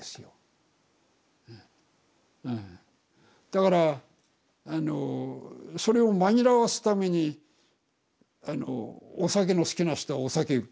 だからあのそれを紛らわすためにお酒の好きな人はお酒やっちゃうわけ。